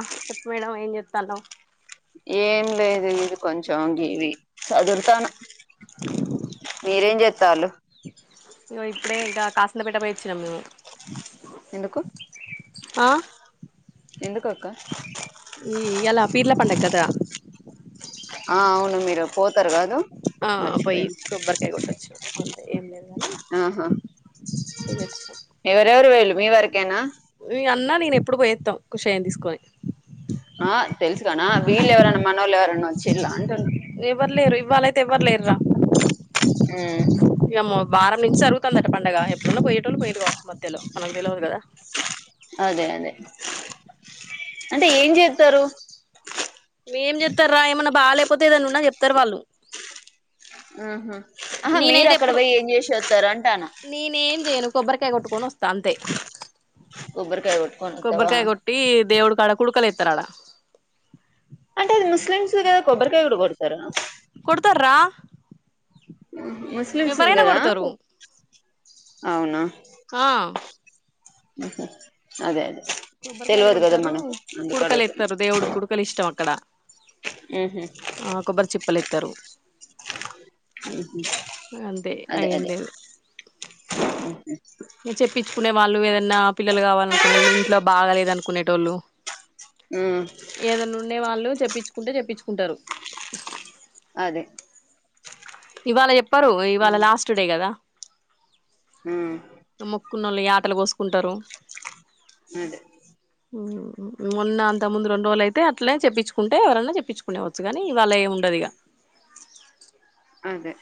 ఆ చెప్ప మేడం ఏం చెప్తాలో ఏం లేదు ఇది కొంచం గీవి చదుర్తన మీరేం చేస్తాలు ఎంత పెటమయచ్చ నమ్ ఎందుకు ఆ ఎందుకక్క ఈ ఎలా పీర్ల పండ కదా ఆ అవును మీరు పోతారు కాదు ఆ పోయి మర్చిపోయిన కంబరకయి వచ్చ అ ఆహా ఎవరెవరు వళ్ళు మీ వరకేనా న అన్న నేను ఎప్పుడు పోయేస్తాం కుషాయం తీసుకొని ఆ తెలుసు కాణ వీళ్ళు ఎవరైన్నా ఎవరు లేరు ఇవవాళయితే ఎవరు లేర్రా ఆ వారం నుంచి జరుగుతుందిట పండగ ఎప్పుడున్న పోయేట వాళ్ు పోయిరు కావచ్చు మధ్యలోనకు తెలియదు కదా అదే అదే అంటే ఏం చేస్తారు మేం చెప్తారా ఏమన్నా బాగాలేకపోతేదనిన్నా చెప్తారు వాళ్ళు ఆహ ఆహా మీరు నేనైతే అక్కడ ఎప్పుడు పోయి ఏం చేసి వస్తారు అంటాను నేనేం చేయను కొబ్బరికాయ కొట్టుకొన్ ఒస్తా అంతే కొబ్బరికాయ కొట్టుకొని వత్తవా కొబ్బరికాయ కొట్టి దేవుడు కాడ కుడుకలి ఎతారాడ అంటే అది ముస్లిమ్స్ద కొబ్బరికాయ కూడా కొడతారా కొడతార్రా ముస్లిమ్స్ది ఎవరైనా కదా కొడతారు అవున ఆ అదే అదే కొబ్బరికాయలు తెల్వదు కదా కొడతారు మనకు అందుకు కుడకలు అడుగుతున్నా ఎత్తరు దేవుడికి కుడకలు ఇష్టం అక్కడ ఉహు ఆ కొబ్బరి చిప్పలు ఇత్తరు అంతే అ అదే ఏం అదే లేదు చెప్పించుకునే వాళ్ళు ఏదన్నా పిల్లలు కావాలనుకునేళ్ళు ఇంట్లో బాగాలేదు అనుకునేటోళ్ళు ఉమ్ ఏదైనా ఉంన్నే వాళ్ళు చెప్పించుకుంటే చెప్పించుకుంటారు అదే ఇవాళ ఎప్పరు ఇవాళ లాస్ట్ డే కదా ఉమ్ మొక్కున్నోళ్ళు యాటలు కోసుకుంటరు అదె మొన్న అంత ముందు రెండు రోజులు అయితే అట్లనే చెప్పించుకుంటే ఎవరన్నా చెప్పించుకునేవచ్చు గాని ఇవాళ ఎం ఉండదు దిగ అదే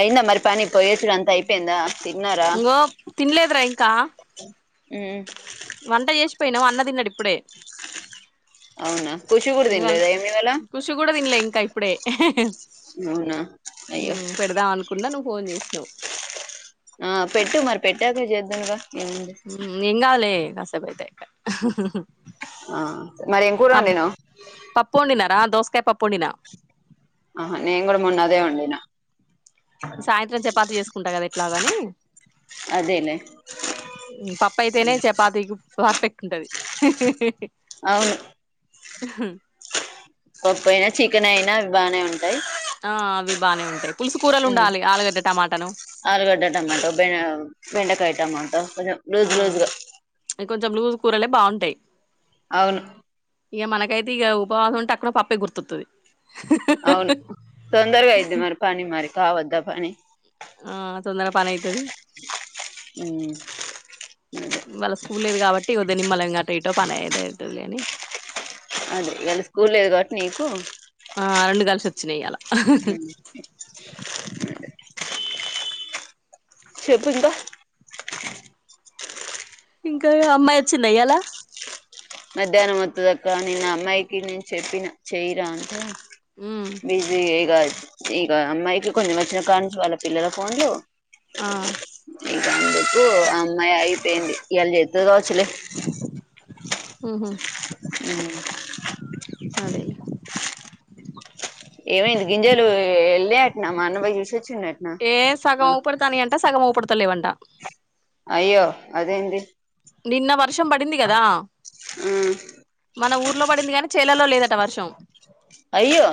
అయింద మరి పని కొయ్యేసుడు అంత అయిపోయిందా తిన్నారా ఇంగో తినలేదురా ఇంకా ఉ వంట చేసిపోయినావు అన్న తిన్నడు ఇప్పుడే అవునా ఖుషి కూడా తినలేదా ఏమి ఇవాళ ఖృషి కూడా తిన్లే ఇంకా ఇప్పుడే అవునా ఉ అయ్యో పెడదాం అనుకున్నా నువ్వు ఫోన్ చేసినవ్ ఆ పెట్టు మరి పెట్టాక జెద్దంగా ఎంగాల్లె కసె బైతే ఇంగ ఆ మరి ఏం కూర వండినవ్ ఆ దోశ కాయ పప్పు వండిన అహ నేను కూడా మొన్నదే వండినా సాయంత్రం చపాతి చేసుకుంటా కదా ఎట్లాగని అదేలే పప్పయితేనే చపాతిగు పర్ఫెక్ట్ ఉంటది అవును పప్పుయినా చికెన్ అయినా బానే ఉంటాయి ఆ అవి బానే ఉంటయ్ ఉ ఆలుగడ్డ టమాటో బె బెండకాయ టమాటో కొంచెం ఆ లూజు లూజుగా అ కొంచెం లూజు కూరలే బాగుంటాయి అవును ఇగ మనకైతే ఇగ ఉపవాసం ఉంటే అక్కడ పప్పే గుర్తొత్తది అవును తొందరగా అయిది మరి పని మరి కావద్దా పని ఆ తొందరగా పని అయితది ఉ ఇవాళ స్కూల్ లేదు కాబట్టి ఇ ఒద్దు నిమ్మళంగా ఇంకా అటో ఇటో పని ఏదవుతుది లే అని అదే ఇయల స్కూల్ లేదు గట్ నీకు ఆ రెండు కలిసి వచ్చినాయి ఇయలా ఉ అదే చెప్పు ఇంకా ఇంకా అమ్మాయి వచ్చింది ఇయలా మధ్యాహ్నం వత్తదక్క నిన్నా ఆ అమ్మాయికి నేను చెప్పిన చేయిరా అంటే ఉమ్ బిజీగా ఇక అమ్మాయికి కొన్ని వచ్చిన కానుంచి వాళ్ళ పిల్లల ఫోన్లు ఆ ఇంక అందుకు ఆ అమ్మాయి అయిపోయింది ఇయాల చెత్తలేచలే ఉహు ఉ అదే ఏమైంది గింజాలు వెళ్లాయఅట్నా మా అన్న పోయి చూసొచ్చిండటనా ఏ సగం మన ఊపడతాని అంట సగం ఊపడతా లేవంట అయ్యో అదేంది నిన్న వర్షం పడింది కదా ఉ మన ఊర్లో పడింది గాని చేలలో లేదట వర్షం అయ్యో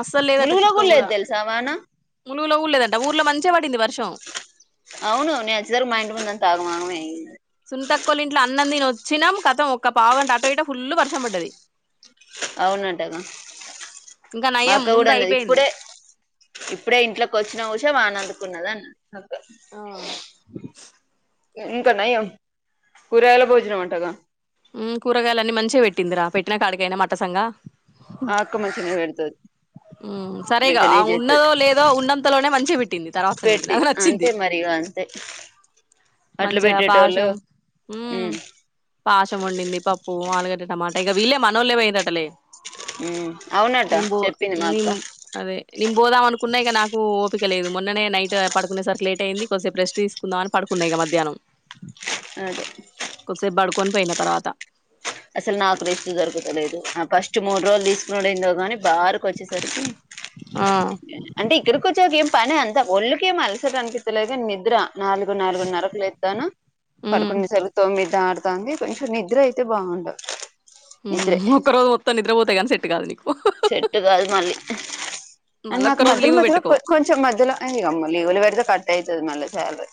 అస్సలు లేదట ములుగులో చుక్క కూడా లేదు తెల్సా వాన ములుగులో కూడా లేదంట ఊర్లో మంచిగ పడింది వర్షం అవును నెజ్జరు మా ఇంటిముందు అంతా ఆగమాగం అయింది సుంతక్కోలి ఇంట్లో అన్నం తిని వచ్చినాం కతం ఒక పావుగంట అటో ఇటో ఫుల్ వర్షం పడ్డది అవునంటగా ఇంకా నయం మాక్క కూడా ముందు అన్నది అయిపోయింది ఇప్పుడే ఇప్పుడే ఇంట్లోకి వచ్చిన ఉస వాన డుకున్నదన్న అంతే ఆ ఇంకా నయం కూరగాయలా భోజనం అంటగా కూరగాయల అన్నీ మంచిగా పెట్టిందిరా పెట్టినాక ఆడికి పోయిన మట్టసంగ ఆ అక్క మంచిగనే పెడుతది ఉ సరేగా మంచిగానే చేస్తది ఉన్నదో లేదో ఉన్నంతలోనే మంచిగ పెట్టింది తర్వాత సంగతి పెట్టి నాకు అంతే నచ్చింది మరి ఇగ అంతే అట్ల మంచిగా పెట్టేటోళ్ళు పాశం మ్మ్ పాశం వండింది పప్పు ఆలుగడ్డ టమాటా ఇక వీళ్లేే మనోళ్లేపోయిరటలే ఉమ్ అవునట నేను బొ చెప్పింది మా నిం అక్క దే నేను పోదాం అనుకున్నా ఇక నాకు ఓపిక లేదు మొన్ననే నైట్ పడుకునేసరికి లేట్ అయింది కొద్సేపు రెస్ట్ తీసుకుందాం అని పడుకు ఇక మధ్యానం అదే కొద్దిసేపు బడుకొని పోయిన తర్వాత అసలు నాకు రెస్ట్ దొరుకుతలేదు ఫస్ట్ మూడు రోజులు తీసుకునుడు ఏందో గాని వారకి వచ్చేసరికి ఆ అంటే ఇక్కడికి వచ్చాక ఏం పని అంతా ఒళ్లుకేం అలసట అనిపిస్తలేదు గాని నిద్ర నాలుగు నాలుగున్నర్రకు లేత్తాను మ్మ్ పడుకొన్ని సరి తోమ్మిది దాడుత తాంది కొంచెం నిద్ర అయితే బాగుండదు ఒక్క రోజు మొత్తం నిద్రపోతే కాని సెట్ కాదు నీకు సెట్ కాదు మళ్ళీ అండ్ మళ్ళొక్క నాకు రోజు మద్దలో లీవ్ మధ్యలో పెట్టుకో కొంచెం మధ్యలో గమ్లు ఉల్లిగడ్డ కట్ అయి మళ్ళా శాలరీ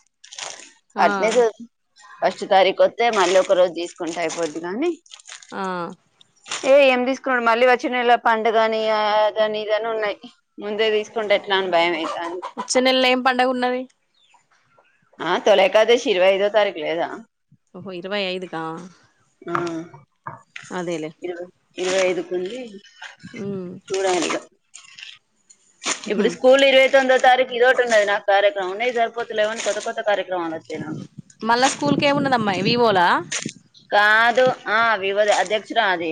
ఆ అట్నే చ ఫస్ట్ తారీఖు వత్తే మళ్ళీ ఒక రోజు తీసుకుంటే అయిపోద్ది కాని ఆ ఏ ఏమి తీసుకుంటడు మళ్ళీ వచ్చినళ్ళ పండు కాగానిగాని ఇదని ఉన్నాయి ముందే తీసుకుంట నను భయంమైత వచ్చే నెలలో ఏం పండగ ఉన్నది ఇరువైఐో తారీుదా ఓహో ఇరవై ఐదు కా ఆ ఇరవై ఇరవై ఐదుకు ఉంది ఉమ్ చూడాద ఉహు ఇప్పుడు స్కూల్ ఇరవ తొందో తారీఖ ఇద ఉంది అ నా క్యక్రంయి సరిపోతు లేవన్ కొత్త కార్యక్రమం మళ్ళా స్కూల్ క ఏముండదమ్మాయి వివోలా కాదు ఆ వివ అధ్యక్షుడు అది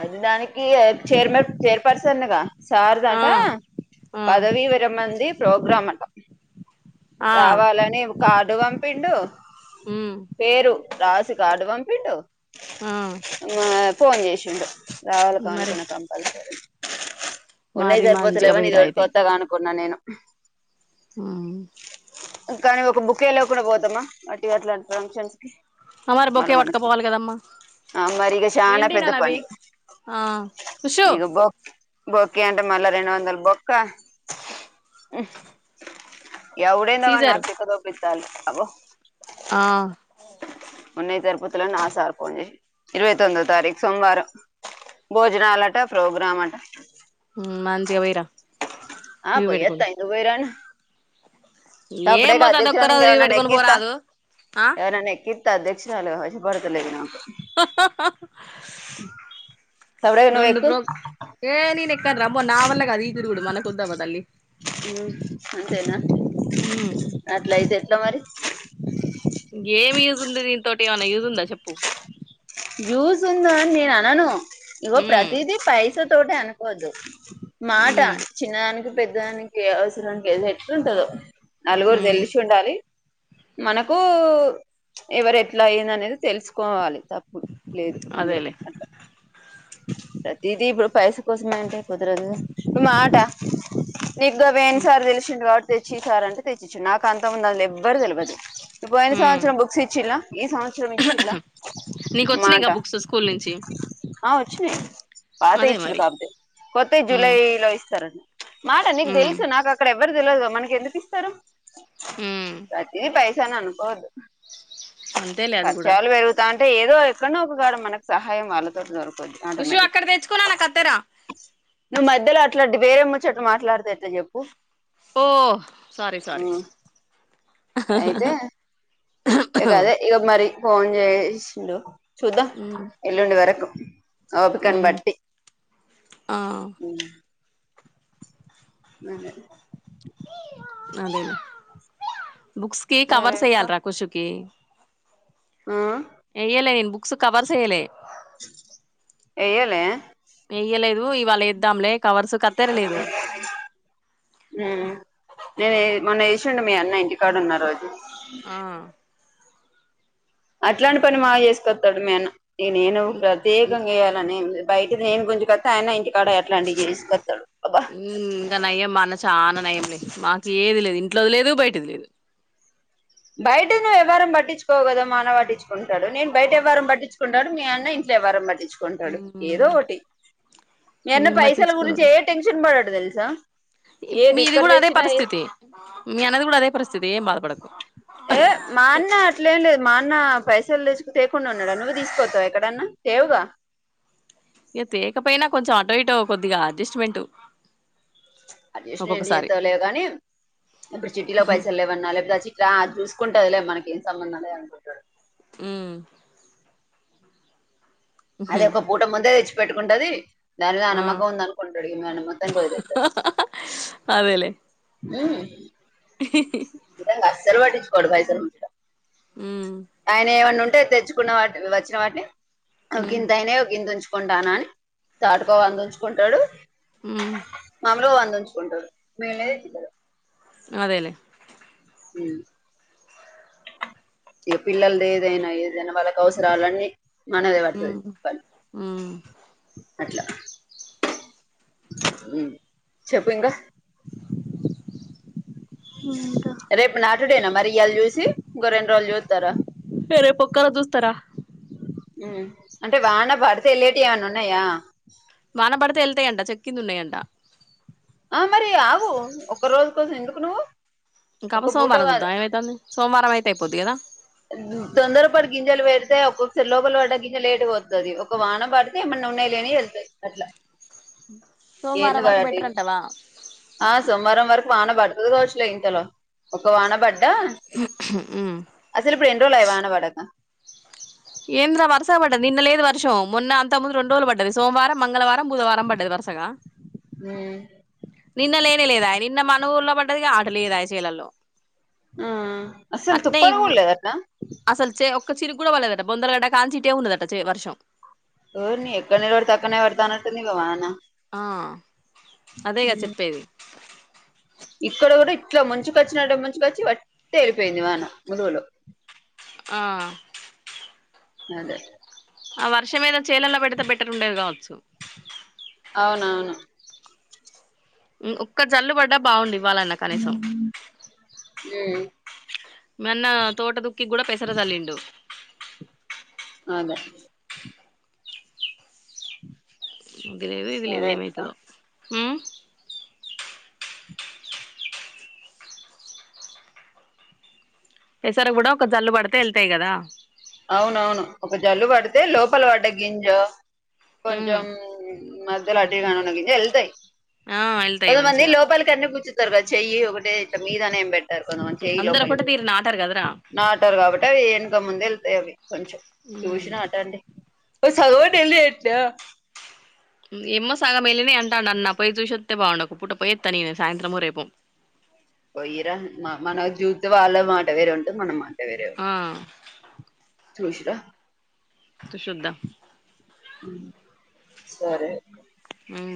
అది దానికి ఈ చైర్మన్ చైర్పర్సన్గా ఆ సార్దట ఆ పదవి వేర మంది ప్రోగ్రామ్ అంట ఆ రావాలని కాడు పంపిండు ఉమ్ పేరు రాసి కడువాం పిడు ఆ ఫోన్ చేసిండు రావాల మరి కానుకునే కంపల్సరీ ఉన్నాయి మరి మంచిగా సరిపోతులేవని ఇది పోయిరా ఒకటికొత్తాగా అనుకున్నా నేను ఆ కానీ ఒక బుక్ే లేకుండా పోతామా అటు అట్లాంటి ఫంక్షన్స్ కి అ మరి మళ్ళ బొకే మనకి పట్టుకపోవాలి కదమ్మా ఆ మరి ఇక చానా ఏంటి నా పెద్ద న అవి పని ఆ కుుషు బొక్క అంటే మళ్ళా రెండు వందలు బొక్క ఎవడేందవ సీజర్ నాకు బకద ఒబ్లిత అల్ అవో ఆ ఉన్నయ తిరుపతిలో నా సార్కో ఇరవై తొమ్మిో తారీఖు సోమవారం భోజనాలుట ప్రోగ్రాంట మంచిగా పోయిరా ఆ లీవ్ పోయి పెట్టుకొని ఎత్తాయి పోైరను ఏం తప్పుడేగా పోతే అధ అదొక్క చని రోజు గే ఉ లీవ్ పెట్టుకొని నత్త పోరాదు ఆ ఉ న అధ అక్షరాలుగా వష పడతలేదు నాకు త తమరే నువ్వు రెండు ఎక్కు ప్రో ఏ నను ఎక్కార అమ్మో నా వల్ల కదదు ఈ గురు కూడా మనకుద్దాబద అలి అంతేనా ఉమ్ అట్లా ఇతే ఎట్లా మరి ఇంకేమి యూజ్ ఉంది దీనితోటి ఏమైన్నా యూజ్ ఉందా చెప్పు ూస్ ఉందా అని నేను అనను ఇవో ఉమ్ ప్రతిదీ పైసా తోట అనుకోవద్దు మాట ఉమ్ చిన్నదానికి పెద్దదానికి అవసరం ఉంటే ఎట్లు ఉంటదుో నలుగురు ఉమ్ తెలిసి ఉండాలి మనకు ఎవరు ఎట్లా అయి్యంది అనేది తెలుసుకోవాలి తప్పు లేదు అందులో అదేలే అట్లా ప్రతిదీ ఇప్పుడు పైస కోసమ అంటే కుదరదు ఇప్పుడు మాట నీకు గ వ ఏన్ ఉమ్ సార్ తెలిసిండ వాటి తెచ్చిసారంటే తెచ్చ ఇచ్చు నాకు అంత ఉంద అది ఎవ్వరు తెలియదు ఇ పోయిన ఉమ్ సంవత్సరం బుక్స్ ఇచ్చిలా ఈ సంవత్సరం ఇచ్చలా నీకు మాట వచ్చినాయిగా బుక్స్ స్కూల్ నుంచి ఆ వచ్చినాయి పాతే అదే ఇచ్చలు మరి కాబట్టి కొత్త జూలై ఉమ్ లో ఇస్తారండి మాట నీకు ఉమ్ తెలుసు నాకు అక్కడ ఎవ్వరు తెలియదు మనకి ఎందుకు ఇస్తారు ఉమ్ ప్రతిది పైస ని అనుకోద్దు అంతేలే అది కూడా పఖచలు పెరుగుతా అంటే అంటే ఏదో ఎక్కడన్నాో ఒకగాడ మనకు సహాయం వాళ్ళతో దొకు ుషి అక్కడ తెచ్చుకున్నా నా కత్తరా నువ్వు మధ్యలో అట్లాంటి వేరేమో చెట్టు మాట్లాడతే ఎట్లా చెప్పు ఓ సార సార అయితే ఇక అదే ఇక మరి ఫోన్ చేసిండు చూద్దాం ఉమ్ ఎల్లుండి వరకు ఓపికన్ ఉమ్ బట్టి ఆ అదే అదే బుక్స్ కి సరే కవర్స్ అక్క చెయ్యాలరాఖషుకి ఆ యల్లే నన్ బుక్స్ కవర్స్యల్లే ఏయ్యలే వయ్యలేదు ఇవాళ ఇద్దాంలే నేను మొన్న చూండి మీ అన్న ఇంటికాడ ఉన్న రోజు ఆ అట్లాంటి పని మాగా చేసుకస్తాడు మేన్న ఈ నేను ప్రత్యేకంగా చేయాలని ఏం లేదు బయటది నేను కొంచెం కత్త అయనా ఇంక ఇంకా నయ్యమ్మా అన్న చాలనా నయ్యమ్మ మాకు ఏది లేదు ఇ ఇట్లది లేదు బయటది లేదు బయట నువ్వు ఎవరారం పట్టించుకోగదా మాన పట్టించుకుంటాడు నేను బయట ఎవ్వరారం పట్టించుకుంటాడు మీ అన్న ఇంట్లో వరమేంది నచుకుంటాడు ఏదో మ్మ్ ఒకటి మీ అన్న ఏం పైసల గురించి పట్టించుకునుడు ఏ టెన్షన్ పడాడు తెలుసా ఏది మీది ఇక్కడ కూడా అదే తెచ్చినా పరిస్థితి మీ అన్నది కూడా అదే పరిస్థితి ఏం బాధపడకు ఏ మా అన్న అట్లేం లేదు మా అన్న పైసలు తెచ్చకు తయకుండా ఉన్నాడా నువ్వు తీసుకోతావు ఎక్కడన్నా తేవుగా ఇక తేకపోయినా కొంచెం అటో ఇటో కొద్దిగా అడ్జస్ట్మెంట్ అస్న్ ఏం ఒక్కొక్కసారి చేతాలేవు కానీ ఇప్పుడు చిట్టీలో పైసలు లేవన్నా లేకపోతే చక్క జూ కుంటాదిలే మనం సంబంధంాలే అనుకుంటాడు అ అది ఒక పూట ముందే తెచ్చి పెట్టుకుంటది దాని ఆ అనమ్మాకం ఉంద అను కొండుకి మ అనమ్మ తం పోయిదు అవేలే ఇద అస్సలు పట్టించుకోడు పైసలుంచి ఉమ్ ఆయన ఏమడి ఉంట తెచ్చుకున్న వా వచ్చిన వాటిని ఒక ఉమ్ గంత అయినే గంత ఉంచు చకుంటాన అని చాటుకోవాలని ఉంచుకుంటాడు అ లో అంది ఉంచుకుంటారు మేనేదిద్దదు అదేలేే అ ఈ పిల్లలది ఏదైనా ఏదైనా వాళ్ళకు అవసరాలన్నీ మనదే పడుతుది ఉమ్ ఫ ఉమ్ అట్లా చెప్పు ఇంకా ముంట డే మరియాళ్లు చూసి గరెడ్్ర వాళలు చతారా ఫర పక్క దూ తరా అంటే వాన పడితే లేటి ఏమనా ఉన్నాయా వానబడత ఎళ్తేయంట చెకి నున్నంట ఆ మరి ఆవు ఒక్క రోజు కోసం ఎందుకు నువ్వు ఇంకాప ఒక పూటో సోమవారం కాదు చూద్దాం ఏమైతుంది సోమవారం అయితే అయిపోద్ది కదా తొందర పడి గింజలు పెడితే ఒక్కొక్కసారి లోపల పడ్డ గింజలు లేటు పోతుది ఒక వాహనం పడితే ఏమన్నా ఉన్నాయలే అని వెళ్తాయి అట్లా సోమవారం ఏంది వరకు వాటి బెటర్ అంటావా ఆ సోమవారం వరకు వాన పడుతుంది కావచ్చులే ఇంతలో ఒక వాన పడ్డా ఉమ్ అసలు ఇప్పుడు రెం రోజులుయివాన వాడక ఏంద రా వర్షం పట్టది ఇన్న లేదు వర్షం మన్న అంత ముందు రెండోజు పడ్ారుదు సోమవారం మంగవారం బుధవారం పట్టదు వ సగా హ నిన్న లేని లేదా నిన్న మన ఊర్లో పడ్డది ఆట లేదా చీలల్లో ఆ అసలు అత్తే ఈ తుప్పరు కూడా లేదటనా అసలుచ ఒక చిరు కూడాడళ్లేదట బొందరగడ కాన్ిీటే ఉన్నదట వర్షం ఊరి నీ ఎక్కడ నిలవడితే అక్కనే ఎ పడతా అన్నట్టుంది కమానా ఆ అదేగా చెప్పేది ఇక్కడ కూడా ఇట్లా ముంచుకొచ్చినడ ముంచుకొచ్చి వట్ే వెళ్ళిపోయింది వాన గురుగులో ఆ అదే ఆ వర్షం మీదా చీలల్లో పెడితే బెట్టర్ ఉండేది కావచ్చు అవునవును ఒక్క జల్లు పడ్డా బాగుంంది ఇవ్వాలన్నా కనీసం ఉమ్ మన్న తోట ద కి కూడా పెసర తల్లిండు అదే ఇదిదు ఇదిలే సరే ఏదమతుద అక్క తసర కూడా ఒక జల్లు పడితే వెళ్తాయి కదా అవునవును ఒక జల్లు పడితే లోపల పడ్డ గింజ ఉమ్ కొంచెం మధ్యలో అలాటి కానుడా వెళ్తాయి్ ఆ వెళ్తాయి అద మంది మంచిగా లోపల్ కని కూర్చు తర్వా చెయ్యి ఒకటే ఇ మీదనే ఏం పెట్టారు కొంతమ చెయ్యి అందరు ఒకటే లోపలికి తీరు నాటారు కదరా నా కాబట్టి అవి వెనక ముందు వెళ్తాయ అవి కొంచెం చూసిన ఆట అండి ఒక సగవడి లేట్ ఎమ్మో సగం మళ్ళనే అంటాం అన్న పోయి చూష బాగుండా కూట పోయే తని సాయంత్రము రేపోం పోయ్యరా మన జూత్ వాళ్ళ మాట వేరు ఉంటు మనం మాట వేరే ఆ ఉంటుంది చూసిరా సుశద్ధ సరే ఉమ్